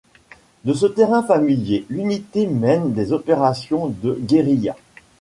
De ce terrain familier, l'unité mène des opérations de guérilla.